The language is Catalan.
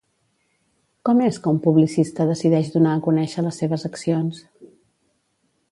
Com és que un publicista decideix donar a conèixer les seves accions?